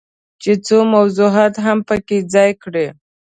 چې څو موضوعات هم پکې ځای کړي.